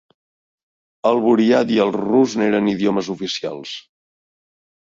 El buriat i el rus n'eren els idiomes oficials.